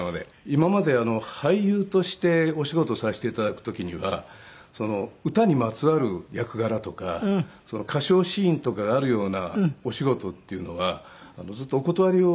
今まで俳優としてお仕事させて頂く時には歌にまつわる役柄とか歌唱シーンとかがあるようなお仕事っていうのはずっとお断りを。